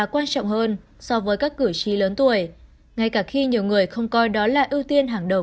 quan trọng hơn so với các cử tri lớn tuổi ngay cả khi nhiều người không coi đó là ưu tiên hàng đầu